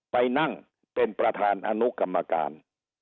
ไปนั่งเป็นประธานอนุกรรมการ